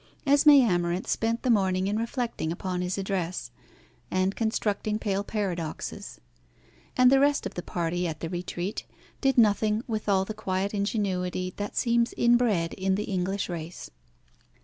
Esmé Amarinth spent the morning in reflecting upon his address, and constructing pale paradoxes; and the rest of the party at the "Retreat" did nothing with all the quiet ingenuity that seems inbred in the English race.